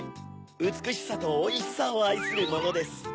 うつくしさとおいしさをあいするものです。